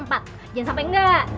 jangan sampai engga